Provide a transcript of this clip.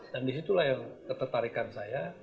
dan disitulah yang ketertarikan saya